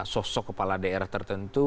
sosok kepala daerah tertentu